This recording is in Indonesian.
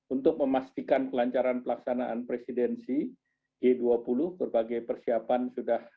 untuk memastikan kelancaran pelaksanaan presidensi g dua puluh berbagai persiapan sudah